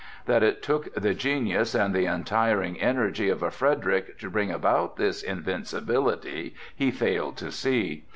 That it took the genius and the untiring energy of a Frederick to bring about this invincibility he failed to see.